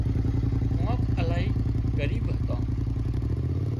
ڪانڪ الاهي ڳريٻ هتان